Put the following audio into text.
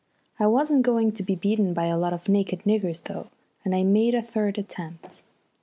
I wasn't going to be beaten by a lot of naked niggers though, and I made a third attempt.